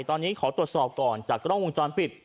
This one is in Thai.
ตอนนี้ขอตรวจสอบก่อนจากกล้องวงจรปิด